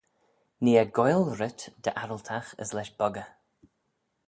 Nee eh goaill rhyt dy arryltagh as lesh boggey.